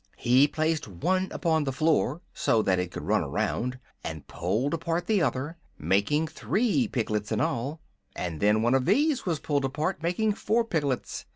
He placed one upon the floor, so that it could run around, and pulled apart the other, making three piglets in all; and then one of these was pulled apart, making four piglets.